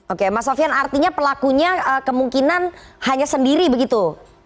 oke mas sofian artinya pelakunya kemungkinan hanya sendiri begitu